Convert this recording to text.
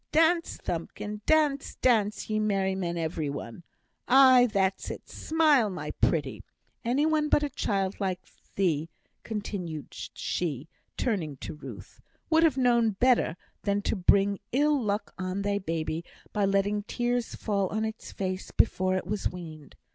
'Dance, thumbkin, dance dance, ye merry men every one.' Aye, that's it! smile, my pretty. Any one but a child like thee," continued she, turning to Ruth, "would have known better than to bring ill luck on thy babby by letting tears fall on its face before it was weaned.